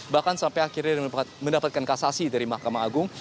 bahkan sampai akhirnya mendapatkan kasasi dari mahkamah agung